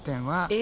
え？